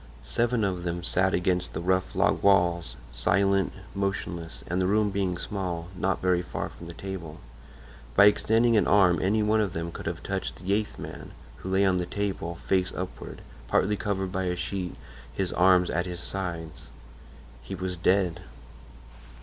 Seven of them sat against the rough log walls, silent, motionless, and the room being small, not very far from the table. By extending an arm any one of them could have touched the eighth man, who lay on the table, face upward, partly covered by a sheet, his arms at his sides. He was dead.